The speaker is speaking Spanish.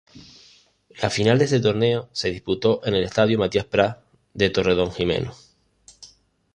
La final de este torneo se disputó en el estadio Matías Prats, en Torredonjimeno.